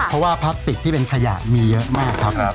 เพราะว่าพลาสติกที่เป็นขยะมีเยอะมากครับ